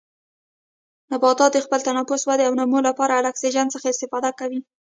نباتات د خپل تنفس، ودې او نمو لپاره له اکسیجن څخه استفاده کوي.